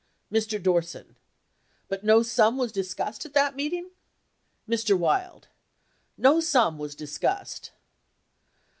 Mr. Dorsex. But no sum was discussed at that meeting? Mr. Wild. No sum was discussed